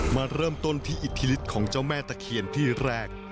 มาเริ่มต้นที่อิทธิฤทธิของเจ้าแม่ตะเคียนที่แรก